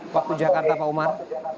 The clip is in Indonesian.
waktu jakarta pak umar